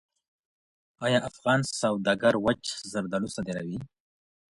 ایا افغان سوداګر وچ زردالو صادروي؟